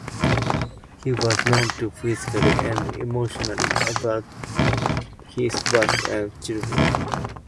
He was known to physically and emotionally abuse his wife and children.